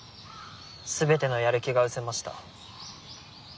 全てのやる気がうせました。